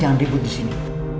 jangan dibut disini